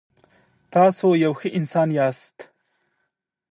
تاسو یو ښه انسان یاست.